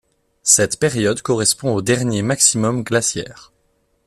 Cette période correspond au dernier maximum glaciaire'.